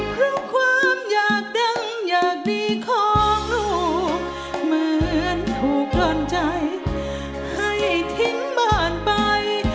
เพราะความอยากดังอยากดีของลูกเหมือนถูกกล่อนใจให้ทิ้งบ้านไป